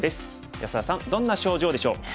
安田さんどんな症状でしょう？